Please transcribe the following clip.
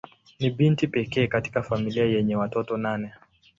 Ni binti pekee katika familia yenye watoto nane.